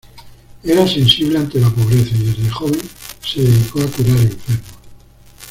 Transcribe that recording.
Era sensible ante la pobreza y desde joven se dedicó a curar a enfermos.